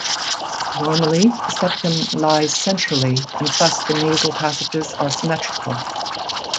Normally, the septum lies centrally, and thus the nasal passages are symmetrical.